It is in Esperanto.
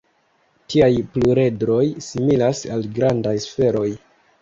Tiaj pluredroj similas al grandaj sferoj.